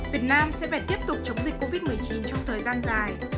việt nam sẽ phải tiếp tục chống dịch covid một mươi chín trong thời gian dài